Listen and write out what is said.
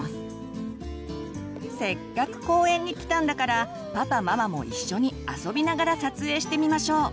せっかく公園に来たんだからパパママも一緒に遊びながら撮影してみましょう。